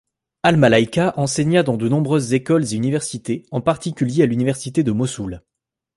Al-Malaika enseigna dans de nombreuses écoles et université, en particulier à l'université de Mossoul.